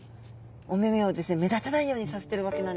目立たないようにさせてるわけなんですね。